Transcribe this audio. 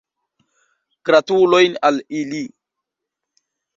Gratulojn al ili.